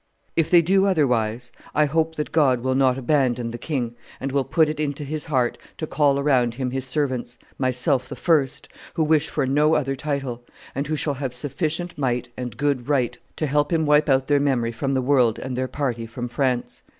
If they do otherwise, I hope that God will not abandon the king, and will put it into his heart to call around him his servants, myself the first, who wish for no other title, and who shall have sufficient might and good right to help him wipe out their memory from the world and their party from France.